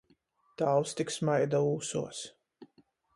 Tāvs tik smaida ūsuos.